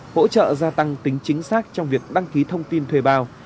hỗ trợ gia tăng tính chính xác trong việc đăng ký thông tin thuê bao